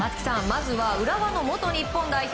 まずは浦和の元日本代表